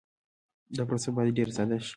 دا پروسه باید ډېر ساده شي.